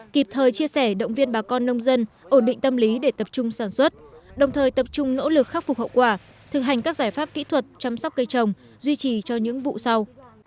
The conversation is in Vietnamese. kịp thời chia sẻ động viên bà con nông dân ổn định tâm lý để tập trung sản xuất đồng thời tập trung nỗ lực khắc phục hậu quả thực hành các giải pháp kỹ thuật chăm sóc cây trồng duy trì cho những vụ sau